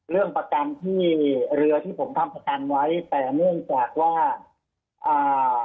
เรื่องประกันที่เรือที่ผมทำประกันไว้แต่เนื่องจากว่าอ่า